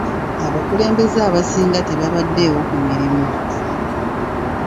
Abakulembeze abasinga tebabaddeewo ku mirimu.